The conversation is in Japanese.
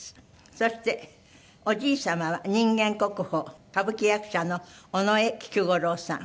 そしておじい様は人間国宝歌舞伎役者の尾上菊五郎さん。